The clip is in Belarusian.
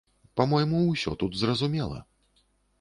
Па-мойму, усё тут зразумела.